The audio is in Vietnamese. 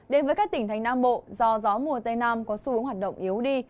đến với các tỉnh thành nam bộ do gió mùa tây nam có xu hướng hoạt động yếu đi